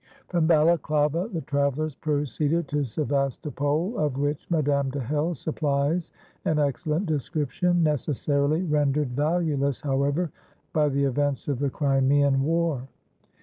From Balaklava the travellers proceeded to Sevastopol, of which Madame de Hell supplies an excellent description, necessarily rendered valueless, however, by the events of the Crimean war.